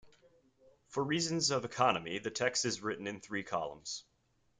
For reasons of economy, the text is written in three columns.